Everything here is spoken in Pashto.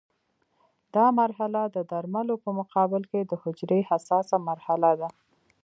دا مرحله د درملو په مقابل کې د حجرې حساسه مرحله ده.